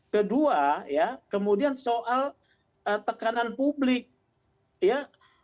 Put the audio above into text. kedua ya kemudian soal tekanan publik ya